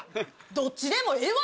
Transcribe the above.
どっちでもええわ